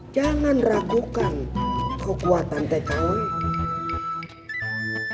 jangan ragukan kekuatan tkw